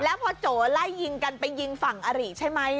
แล้วพอโจไล่ยิงกันไปยิงฝั่งอริใช่ไหม